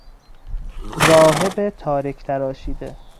راهب تارک تراشیده